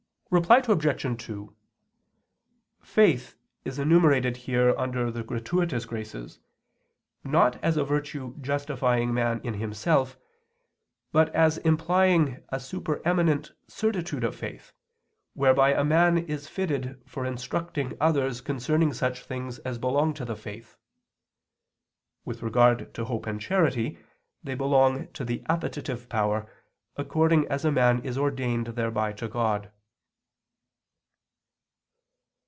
Reply Obj. 2: Faith is enumerated here under the gratuitous graces, not as a virtue justifying man in himself, but as implying a super eminent certitude of faith, whereby a man is fitted for instructing others concerning such things as belong to the faith. With regard to hope and charity, they belong to the appetitive power, according as man is ordained thereby to God.